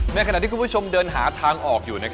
ในขณะที่คุณผู้ชมเดินหาทางออกอยู่